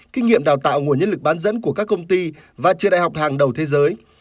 kinh nghiệm đào tạo nguồn nhân lực bán dẫn của các công ty và trường đại học hàng đầu thế giới